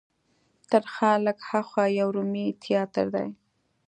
تر ښار لږ هاخوا یو رومي تیاتر دی.